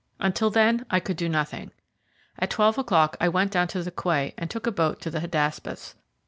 Until then I could do nothing. At twelve o'clock I went down to the quay and took a boat to the Hydaspes.